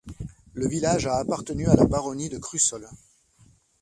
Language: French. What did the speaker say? Le village a appartenu à la baronnie de Crussol.